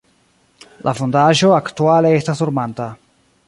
La fondaĵo aktuale estas dormanta.